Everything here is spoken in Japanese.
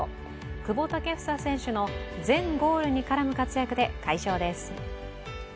久保建英選手の全ゴールに絡む活躍で快勝です。